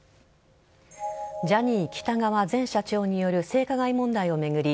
ジャニー喜多川前社長による性加害問題を巡り